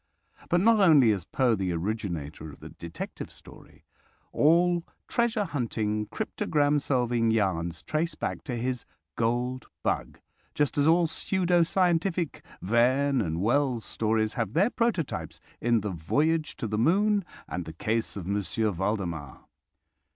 But not only is Poe the originator of the detective story; all treasure hunting, cryptogram solving yarns trace back to his "Gold Bug," just as all pseudo scientific Verne and Wells stories have their prototypes in the "Voyage to the Moon," and the "Case of Monsieur Valdemar."